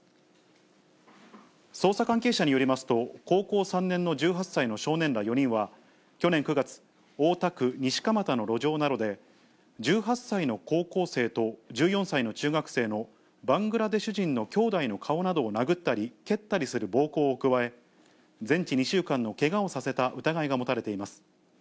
捜査関係者によりますと、高校３年の１８歳の少年ら４人は、去年９月、大田区西蒲田の路上などで、１８歳の高校生と１４歳の中学生のバングラデシュ人の兄弟の顔などを殴ったり蹴ったりする暴行を加え、全治２週間のけがをさせた疑いが持たれています。